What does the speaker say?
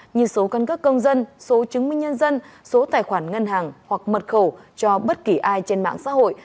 như số căn cấp công dân số chứng minh nhân dân số tài khoản ngân hàng hoặc mật khẩu cho bất kỳ ai trên mạng xã hội